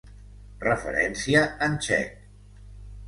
Referència en txec.